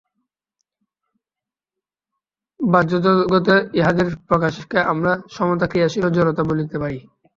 বাহ্যজগতে ইহাদের প্রকাশকে আমরা সমতা, ক্রিয়াশীলতা ও জড়তা বলিতে পারি।